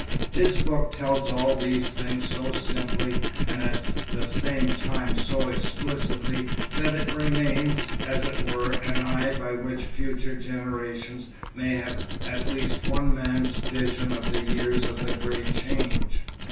His book tells all these things so simply and at the same time so explicitly, that it remains, as it were, an eye by which future generations may have at least one man's vision of the years of the Great Change.